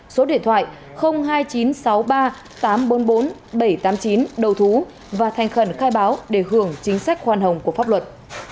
số điện thoại hai nghìn chín trăm sáu mươi ba tám trăm bốn mươi bốn bảy trăm tám mươi chín đầu thú và thành khẩn khai báo để hưởng chính sách khoan hồng của pháp luật